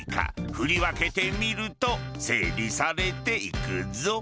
振り分けてみると整理されていくぞ。